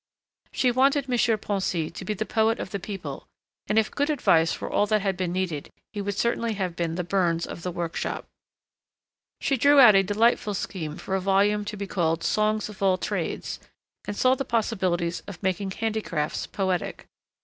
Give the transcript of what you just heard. She wanted M. Poncy to be the poet of the people and, if good advice were all that had been needed, he would certainly have been the Burns of the workshop. She drew out a delightful scheme for a volume to be called Songs of all Trades and saw the possibilities of making handicrafts poetic.